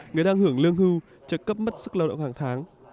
người đang hưởng lương hưu trợ cấp mất sức lao động hàng tháng